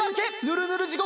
ぬるぬるじ